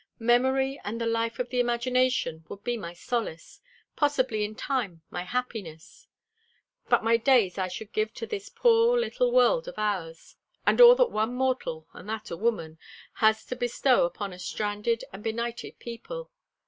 Memory and the life of the imagination would be my solace, possibly in time my happiness, but my days I should give to this poor little world of ours; and all that one mortal, and that a woman, has to bestow upon a stranded and benighted people.